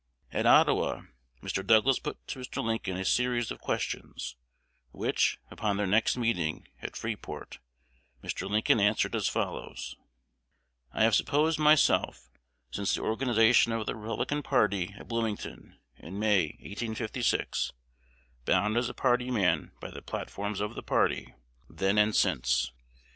At Ottawa, Mr. Douglas put to Mr. Lincoln a series of questions, which, upon their next meeting (at Freeport), Mr. Lincoln answered as follows: I have supposed myself, since the organization of the Republican party at Bloomington, in May, 1856, bound as a party man by the platforms of the party, then and since.